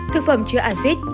thực phẩm chứa axit